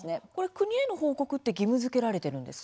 国への報告って義務づけられてるんですか？